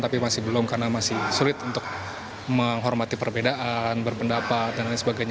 tapi masih belum karena masih sulit untuk menghormati perbedaan berpendapat dan lain sebagainya